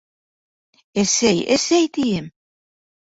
Әсәй, әсәй, тием!